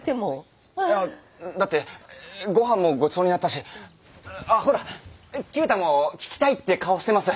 いやだってご飯もごちそうになったしあっほら九太も聞きたいって顔してます。